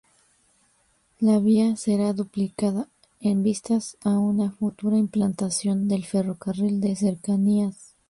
La vía será duplicada, en vistas a una futura implantación del ferrocarril de cercanías.